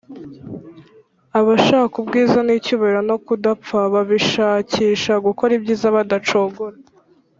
Abashaka ubwiza n’icyubahiro no kudapfa babishakisha gukora ibyiza badacogora